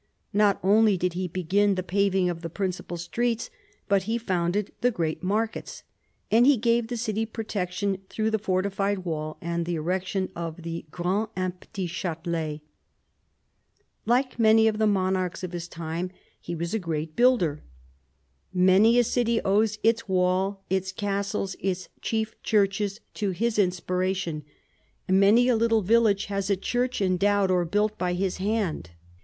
Not only did he begin the paving of the principal streets, but he founded the great markets, and gave the city protection through the fortified wall and the erection of the " grand " and " petit " chatelets. Like many of the monarchs of his time he was a great builder. Many a city owes its wall, its castles, its chief churches to his inspiration — many a little village has a church endowed or built by his hand.